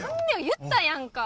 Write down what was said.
言ったやんか。